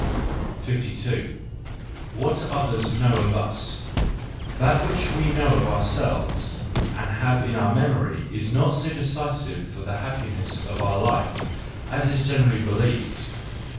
52 What others Know of us .—That which we know of ourselves and have in our memory is not so decisive for the happiness of our life as is generally believed.